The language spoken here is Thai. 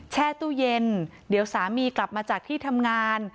แช่ตู้เย็นเดี๋ยวสามีกลับมาจากที่ทำงาน